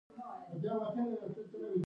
شېرمحمد وویل: «یو پخوانی ملګری مې دی.»